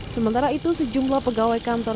sementara itu sejumlah pegawai kantor